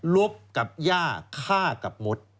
ลบกับหญ้าฆ่ากับหมด